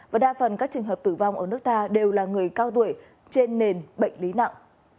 và đa phần các trường hợp tử vong ở nước ta đều là người cao tuổi trên nền bệnh lý nặng